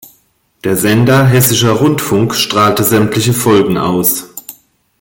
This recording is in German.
Der Sender Hessischer Rundfunk strahlte sämtliche Folgen aus.